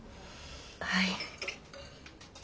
はい。